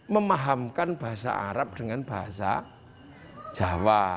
memahamkan bahasa arab dengan bahasa jawa